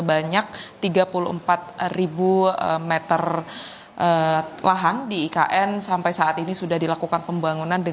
mengawal populasi karakter asati kond adelante mar dem